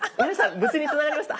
無事につながりました。